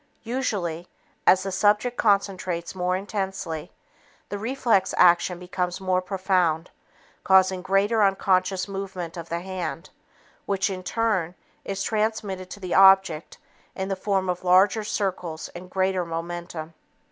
Usually, as the subject concentrates more intensely, the reflex action becomes more profound, causing greater unconscious movement of the hand which, in turn, is transmitted to the object in the form of larger circles and greater momentum.